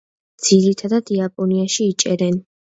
ძირითადად იაპონიაში იჭერენ.